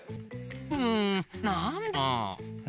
うんなんだろう？